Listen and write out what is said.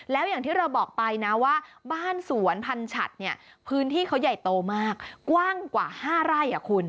แล้วอย่างที่เราบอกไปนะว่าบ้านสวนพันฉัดเนี่ยพื้นที่เขาใหญ่โตมากกว้างกว่า๕ไร่คุณ